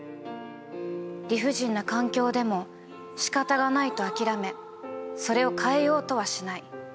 理不尽な環境でも仕方がないと諦めそれを変えようとはしない。